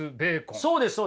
そうですそうです。